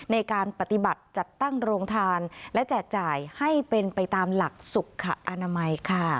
ในการปฏิบัติจัดตั้งโรงทานและแจกจ่ายให้เป็นไปตามหลักสุขอนามัยค่ะ